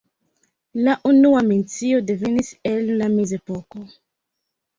La unua mencio devenis el la mezepoko.